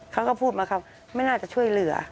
เขาก็พูดมาครับไม่น่าจะช่วยเหลือ